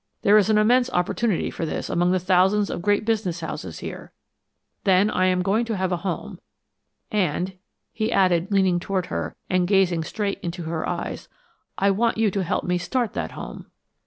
There is an immense opportunity for this among the thousands of great business houses here. Then I am going to have a home and," he added, leaning toward her and gazing straight into her eyes, "I want you to help me start that home."